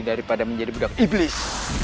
daripada menjadi budak iblis